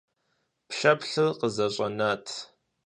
Пшэплъыр къызэщӀэнат.